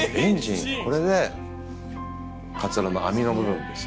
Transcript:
これでカツラの網の部分ですよね。